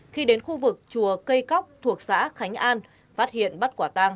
khi đến khu vực chùa cây cóc thuộc xã khánh an phát hiện bắt quả tang